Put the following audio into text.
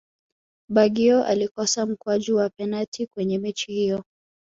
baggio alikosa mkwaju wa penati kwenye mechi hiyo